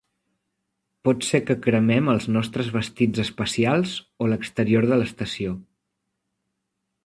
Pot ser que cremem els nostres vestits espacials o l'exterior de l'estació.